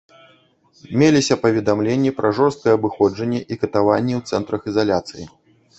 Меліся паведамленні пра жорсткае абыходжанне і катаванні ў цэнтрах ізаляцыі.